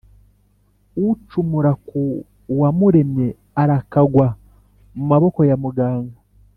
ucumura ku Uwamuremye, arakagwa mu maboko ya muganga!